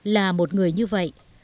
là một người như vậy